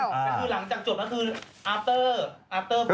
ก็คือหลังจากจบก็คืออาฟเตอร์